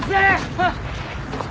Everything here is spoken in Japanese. あっ。